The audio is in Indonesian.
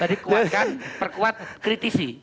tadi kuat kan perkuat kritisi